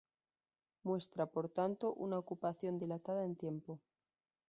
Muestra, por tanto, una ocupación dilatada en tiempo.